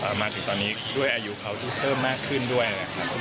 แล้วก็มาถึงตอนนี้ด้วยอายุเขาก็เพิ่มมากขึ้นด้วย